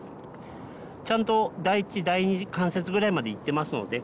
ちゃんと第一第二関節ぐらいまでいってますので。